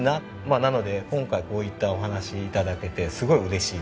なので今回こういったお話頂けてすごい嬉しいです。